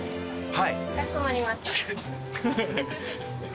はい。